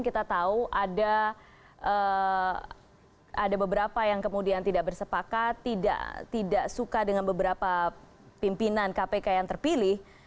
kita tahu ada beberapa yang kemudian tidak bersepakat tidak suka dengan beberapa pimpinan kpk yang terpilih